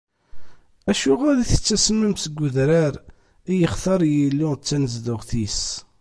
Acuɣer i tettasmem seg udrar i yextar Yillu, d tanezduɣt-is?